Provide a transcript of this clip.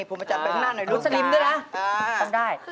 พูดสภาพหน้าหน่อยลูก